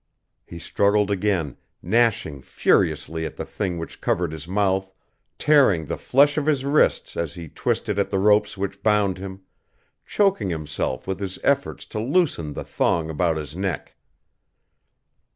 He struggled again, gnashing furiously at the thing which covered his mouth, tearing the flesh of his wrists as he twisted at the ropes which bound him, choking himself with his efforts to loosen the thong about his neck.